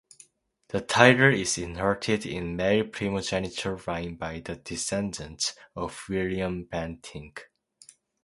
The title is inherited in male primogeniture line by the descendants of William Bentinck.